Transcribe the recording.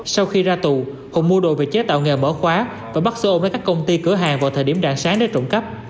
sau khi ra tù hùng mua đồ về chế tạo nghề mở khóa và bắt xe ôm đến các công ty cửa hàng vào thời điểm đạn sáng để trộm cắp